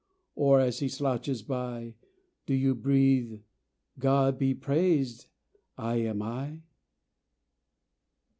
Or, as he slouches by, Do you breathe "God be praised, I am I?"